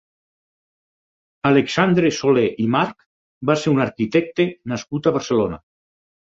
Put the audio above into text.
Alexandre Soler i March va ser un arquitecte nascut a Barcelona.